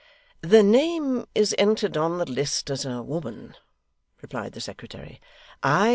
'The name is entered on the list as a woman,' replied the secretary.